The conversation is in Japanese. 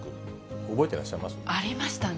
覚えてらっしゃいます？ありましたね。